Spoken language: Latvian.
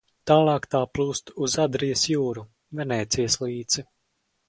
Tālāk tā plūst uz Adrijas jūru, Venēcijas līci.